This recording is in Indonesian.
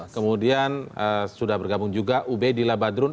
kemudian sudah bergabung juga ube dila badrun